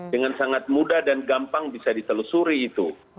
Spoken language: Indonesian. dengan sangat mudah dan gampang bisa ditelusuri itu